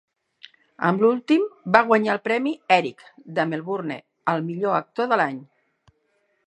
Amb l'últim va guanyar el Premi Erik de Melbourne al millor actor de l'any.